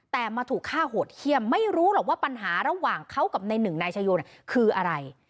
แต่มาถูกฆ่าโหดเยี่ยมไม่รู้หรอกว่าปัญหาระหว่างเขากับในหนึ่งนายชายโยนคืออะไร